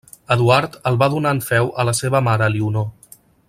Eduard el va donar en feu a la seva mare Elionor.